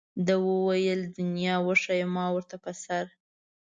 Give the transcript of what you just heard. ده وویل دنیا وښیه ما ورته په سر.